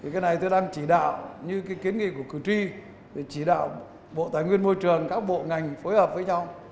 cái này tôi đang chỉ đạo như kiến nghị của cử tri để chỉ đạo bộ tài nguyên môi trường các bộ ngành phối hợp với nhau